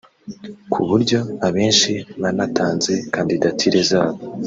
ku buryo abenshi banatanze kandidatire zabo